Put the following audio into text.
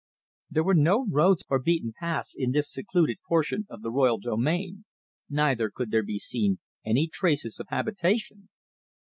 There were no roads or beaten paths in this secluded portion of the royal domain, neither could there be seen any traces of habitation.